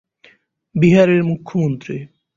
বিহারের মুখ্যমন্ত্রী